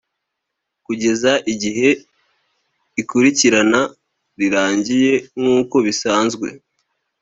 kugeza igihe ikurikirana rirangiye nk uko bisanzwe